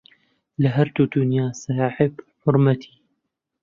لە هەردوو دونیا ساحێب حورمەتی